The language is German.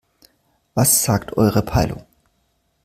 Was sagt eure Peilung?